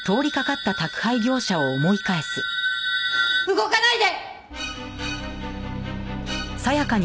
動かないで！